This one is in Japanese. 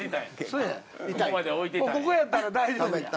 そやここやったら大丈夫や。